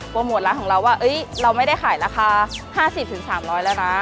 โมทร้านของเราว่าเราไม่ได้ขายราคา๕๐๓๐๐แล้วนะ